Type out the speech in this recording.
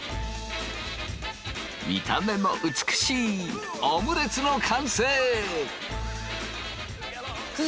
見た目も美しいオムレツの完成！